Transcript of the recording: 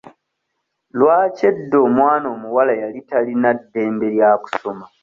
Lwaki edda omwana omuwala yali talina ddembe lya kusoma?